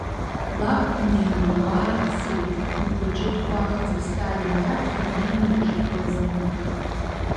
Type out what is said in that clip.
Лаб днеилууаа дцеит, ихәыҷы дкәаӷӡа Сталин иаԥхьа днеины дышгылаз аниба.